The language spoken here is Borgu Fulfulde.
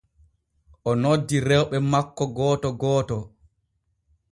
O noddi rewɓe makko gooto gooto.